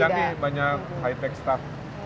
dan kami banyak high tech staff